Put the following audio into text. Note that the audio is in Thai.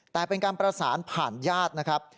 แต่เป็นการประสานผ่านญาตินะครับ